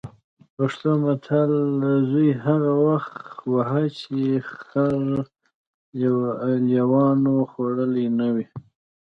پښتو متل: زوی هغه وخت وهه چې خر لېوانو خوړلی نه وي.